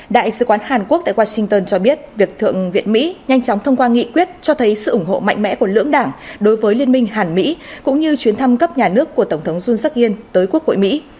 đại sứ quán hàn quốc tại washington cho biết việc thượng viện mỹ nhanh chóng thông qua nghị quyết cho thấy sự ủng hộ mạnh mẽ của lưỡng đảng đối với liên minh hàn mỹ cũng như chuyến thăm cấp nhà nước của tổng thống uson jak in tới quốc hội mỹ